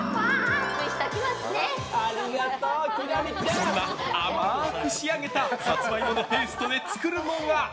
そんな、甘く仕上げたサツマイモのペーストで作るのが。